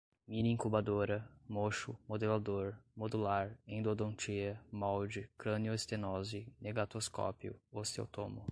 mini incubadora, mocho, modelador, modular, endodontia, molde, cranioestenose, negatoscópio, osteotomo